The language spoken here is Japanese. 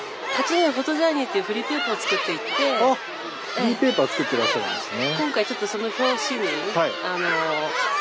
フリーペーパーを作っていらっしゃるんですね。